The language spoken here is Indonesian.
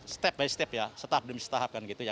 step by step ya setahap demi setahap kan gitu ya